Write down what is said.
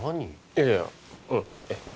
いやいやうんえっ